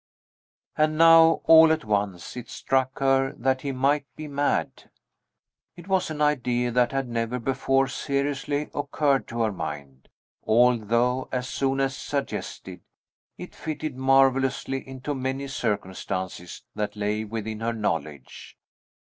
And now, all at once, it struck her that he might be mad. It was an idea that had never before seriously occurred to her mind, although, as soon as suggested, it fitted marvellously into many circumstances that lay within her knowledge.